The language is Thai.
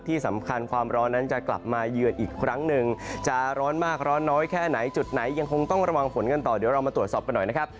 ที่สำคัญความร้อนนั้นจะกลับมาเยือนอีกครั้งหนึ่งจะร้อนมากร้อนน้อยแค่ไหนจุดไหนยังคงต้องระวังฝนกันต่อเดี๋ยวเรามาตรวจสอบกันหน่อยนะครับ